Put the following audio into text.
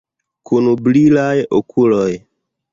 Kun brilaj okuloj!